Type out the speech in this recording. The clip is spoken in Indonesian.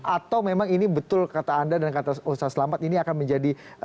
atau memang ini betul kata anda dan kata ustaz selamat ini akan menjadi